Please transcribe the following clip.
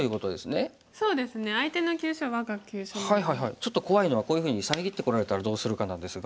ちょっと怖いのはこういうふうに遮ってこられたらどうするかなんですが。